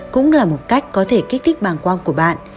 cũng là một cách có thể kích thích bàng quang của bạn